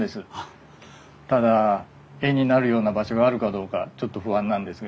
ただ絵になるような場所があるかどうかちょっと不安なんですが。